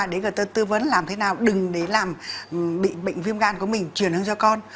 để tư vấn làm thế nào đừng để làm bị bệnh viêm gan của mình truyền hướng cho con